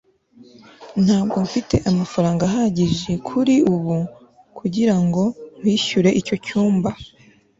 ntabwo mfite amafaranga ahagije kuri ubu kugirango nkwishyure icyo ngomba